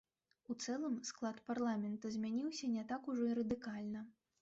У цэлым склад парламента змяніўся не так ужо і радыкальна.